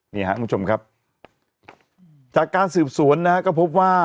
นี่ครับคุณผู้ชมครับจากการสืบสวนนะฮะก็พบว่า